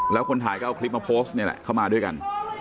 แล้วคนถ่ายก็เอาคลิปมาโพสต์นี่แหละเข้ามาด้วยกัน